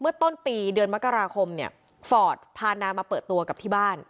เมื่อต้นปีเดือนมกราคมฟอร์ตพานานมาเปิดตัวกลับที่บ้าน